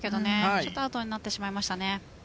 ちょっとアウトになってしまいましたね。